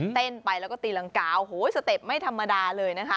เต้นไปแล้วก็ตีรังกาโอ้โหสเต็ปไม่ธรรมดาเลยนะคะ